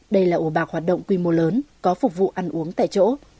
đây là ổ bạc hoạt động quy mô lớn có phục vụ ăn uống tại chỗ